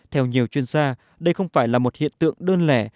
theo nhiều chuyên gia đây không phải là một hiện tượng đơn lẻ